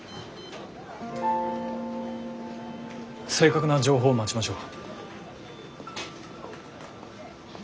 正確な情報を待ちましょう。